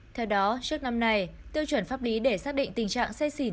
theo đó trước năm này tiêu chuẩn pháp lý để xác định tình trạng xe xỉn